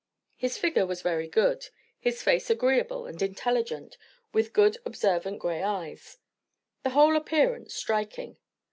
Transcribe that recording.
His figure was very good; his face agreeable and intelligent, with good observant grey eyes; the whole appearance striking.